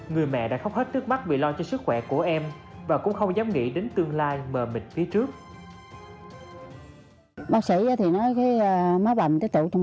người mẹ đã khóc hết trước mắt vì lo cho sức khỏe của em và cũng không dám nghĩ đến tương lai bờ mịt phía trước